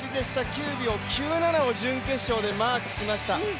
９秒９７を準決勝でマークしました。